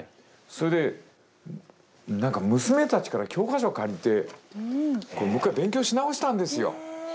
それで何か娘たちから教科書借りてもう一回勉強し直したんですよ。